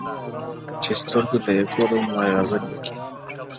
چي سترگو ته يې گورم ـ وای غزل لیکي ـ